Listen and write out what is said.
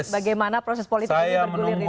bagaimana proses politik ini bergulir di indonesia